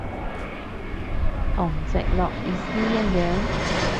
同直落意思一樣？